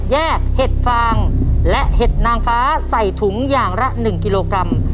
เห็ดฟางและเห็ดนางฟ้าใส่ถุงอย่างละ๑กิโลกรัม